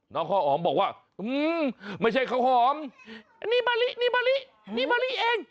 น้องเขาหอมบอกว่าอืมไม่ใช่เขาหอมนี่มะลินี่มะลิเอง